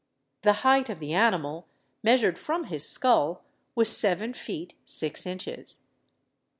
The height of the animal (measured from his skull) was seven feet six inches.